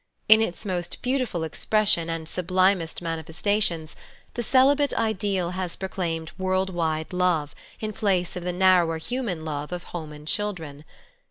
In its most beautiful expression and sublimest manifestations, the celibate ideal has proclaimed a world wide love, in place of the narrower human love of home and children.